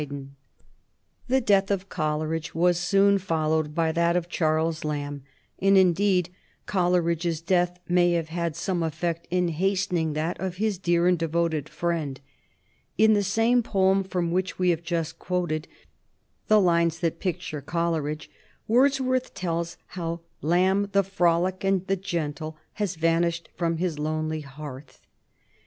[Sidenote: 1775 1836 Mrs. Siddons and Edmund Kean] The death of Coleridge was soon followed by that of Charles Lamb, and, indeed, Coleridge's death may have had some effect in hastening that of his dear and devoted friend. In the same poem from which we have just quoted the lines that picture Coleridge, Wordsworth tells how "Lamb, the frolic and the gentle, has vanished from his lonely hearth."